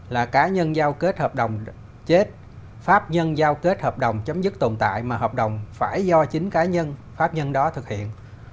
là cá nhân giao kết hợp đồng chết pháp nhân giao kết hợp đồng chấm dứt tồn tại mà hợp đồng phải do chính cá nhân pháp nhân đó thực hiện